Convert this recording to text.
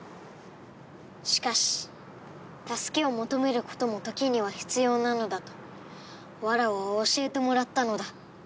しかし助けを求める事も時には必要なのだとわらわは教えてもらったのだ。